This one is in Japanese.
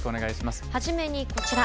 初めにこちら。